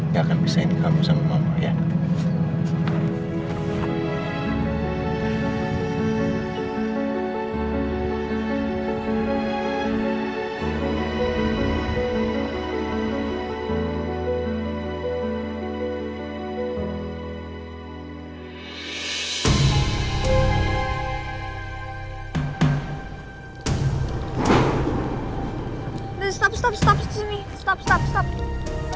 gak akan bisa ini kamu sama reina papa janji sama reina papa gak akan pernah biarin reina pergi lagi dari rumah papa